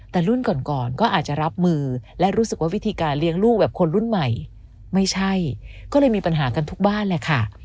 แต่รุ่นก่อนก่อนก็อาจจะรับมือและรู้สึกว่าวิธีการเลี้ยงลูกแบบคนรุ่นใหม่ไม่ใช่ก็เลยมีปัญหากันทุกบ้านแหละค่ะ